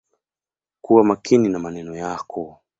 Kuwa makini na maneno yako.